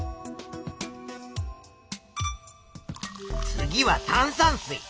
次は「炭酸水」。